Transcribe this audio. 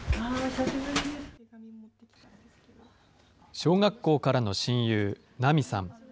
小学校からの親友、なみさん。